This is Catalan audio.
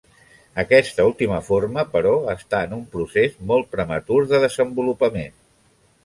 Aquesta última forma, però, està en un procés molt prematur de desenvolupament.